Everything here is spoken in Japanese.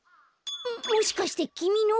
もしかしてきみの？